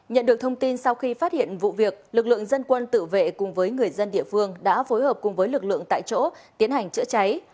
nhận được thông tin sau khi phát hiện vụ việc lực lượng dân quân tự vệ cùng với người dân địa phương đã phối hợp cùng với lực lượng tại chỗ tiến hành chữa cháy